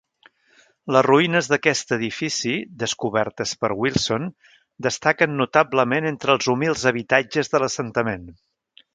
Les ruïnes d'aquest edifici, descobertes per Wilson, destaquen notablement entre els humils habitatges de l'assentament.